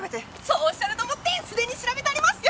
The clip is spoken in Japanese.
そうおっしゃると思ってすでに調べてあります！